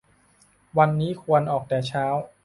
วันนี้ควรออกแต่เช้า